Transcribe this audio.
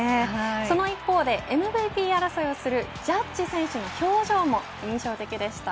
その一方でＭＶＰ争いをするジャッジ選手の表情も印象的でした。